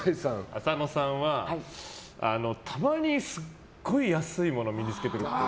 浅野さんはたまにすっごい安いものを身に着けてるっぽい。